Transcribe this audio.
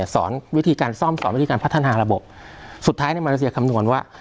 สอนวิธีการซ่อมสอนวิธีการพัฒนาระบบสุดท้ายในมาเลเซียคำนวณว่า